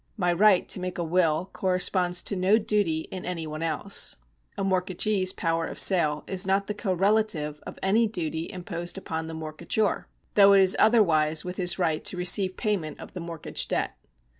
My right to make a will corresponds to no duty in any one else. A mortgagee's power of sale is not the correlative of any duty imposed upon the mortgagor ; though it is otherwise with his right to receive payment of the mortgage debt.